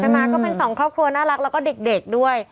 ก็เป็นสองครอบครัวน่ารักแล้วก็เด็กด้วย